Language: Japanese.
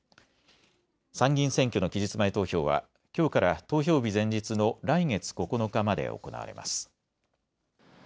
参議院選挙の期日前投票はきょうから投票日前日の来月９日まで行われます。